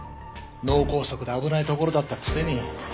脳梗塞で危ないところだったくせに。